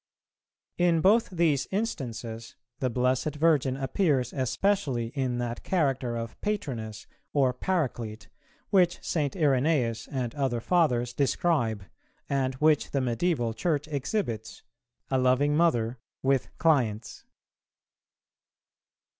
In both these instances the Blessed Virgin appears especially in that character of Patroness or Paraclete, which St. Irenæus and other Fathers describe, and which the Medieval Church exhibits, a loving Mother with clients.